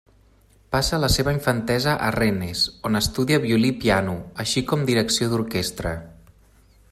Passa la seva infantesa a Rennes on estudia violí i piano, així com direcció d'orquestra.